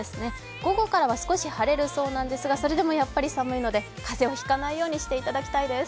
午後からは少し晴れるそうなんですがそれでもやっぱり寒いので風邪をひかないようにしていただきたいです。